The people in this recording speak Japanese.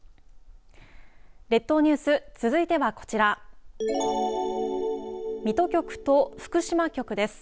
列島ニュース続いてはこちら水戸局と福島局です。